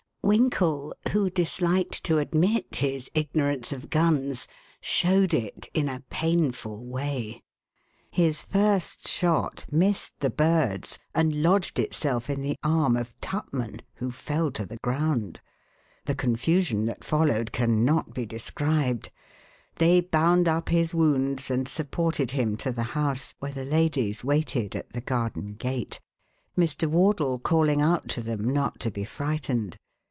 Winkle, who disliked to admit his ignorance of guns, showed it in a painful way. His first shot missed the birds, and lodged itself in the arm of Tupman, who fell to the ground. The confusion that followed can not be described. They bound up his wounds and supported him to the house, where the ladies waited at the garden gate, Mr. Wardle calling out to them not to be frightened.